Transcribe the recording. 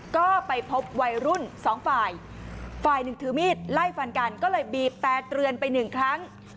ก็ไปพบวัยรุ่นสองฝ่ายฝ่ายหนึ่งถือมีดไล่ฟันกันก็เลยบีบแต่เตือนไปหนึ่งครั้ง